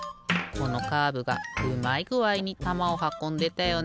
このカーブがうまいぐあいにたまをはこんでたよね。